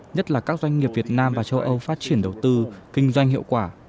nhất là các doanh nghiệp việt nam và châu âu phát triển đầu tư kinh doanh hiệu quả